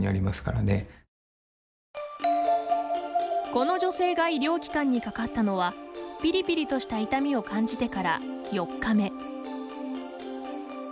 この女性が医療機関にかかったのはピリピリとした痛みを感じてから４日目。